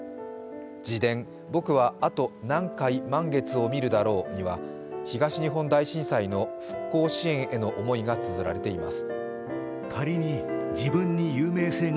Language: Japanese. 自伝、「ぼくはあと何回、満月を見るだろう」には東日本大震災の復興支援への思いがつづられています。